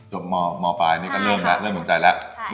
จบมอมอปลายนี่ก็เริ่มนะเริ่มสนใจแล้วใช่ค่ะ